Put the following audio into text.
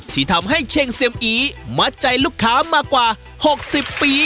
ที่ทำให้เชงเซียมอีมัดใจลูกค้ามากว่า๖๐ปี